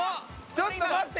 ちょっと待って！